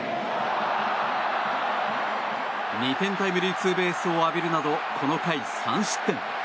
２点タイムリーツーベースを浴びるなどこの回、３失点。